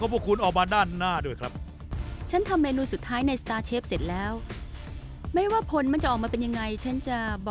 ผมหาจุดบอกพร่องไม่เจอเลย